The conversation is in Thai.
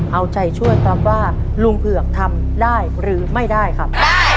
เอาใจช่วยครับว่าลุงเผือกทำได้หรือไม่ได้ครับ